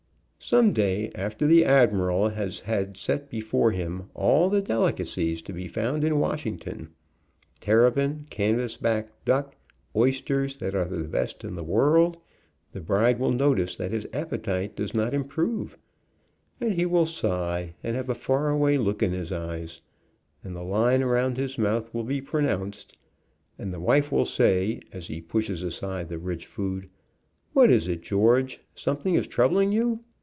Some day, after the admiral has had set before him all the delicacies to be found in Wash ington, terrapin, canvasback duck, oysters that are the best in the world, the bride will notice that his appetite does not improve, and he will sigh, and have a far away look in his eyes, and the line around his mouth will be pronounced, and the wife will say, as he pushes aside the rich food, "What is it, George, something is troubling you?